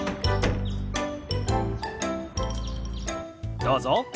どうぞ。